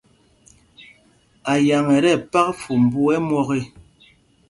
Ayaŋ ɛ tí ɛpak fumbū ɛ́ myɔk ê.